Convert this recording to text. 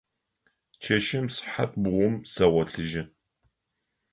Чэщым сыхьат бгъум сэгъолъыжьы.